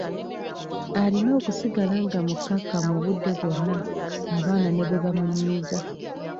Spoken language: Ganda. Alina okusigala nga mukakkamu obudde bwonna abaana ne bwe bamunyiiza.